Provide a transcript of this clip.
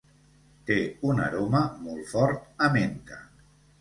Té un aroma molt fort a menta.